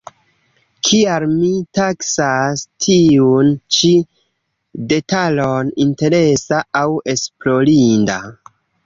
Kial mi taksas tiun ĉi detalon interesa aŭ esplorinda?